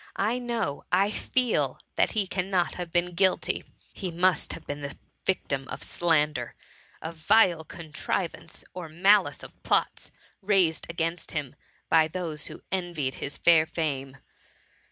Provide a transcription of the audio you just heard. I know, I feel, that he cannot have been guilty ! He must have been the victiAi of slander; of vile contrivance or malice of plots raised against him by those who envied his fair fame.